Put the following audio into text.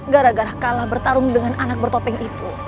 gara gara kalah bertarung dengan anak bertopeng itu